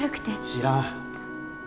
知らん。